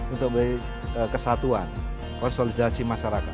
untuk memberi kesatuan konsolidasi masyarakat